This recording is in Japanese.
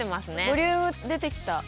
ボリューム出てきた。